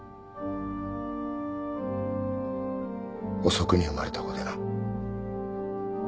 遅くに生まれた子でな。